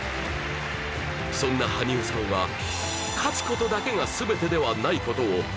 そんな羽生さんは勝つことだけが全てではないことをその行動で見せていた